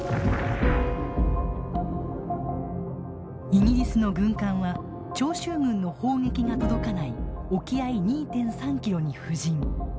イギリスの軍艦は長州軍の砲撃が届かない沖合２．３キロに布陣。